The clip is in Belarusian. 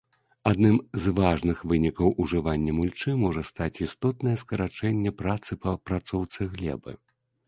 Адным з важных вынікаў ужывання мульчы можа стаць істотнае скарачэнне працы па апрацоўцы глебы.